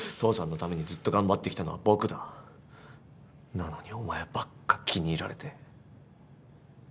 なのにお前ばっか気に入られて。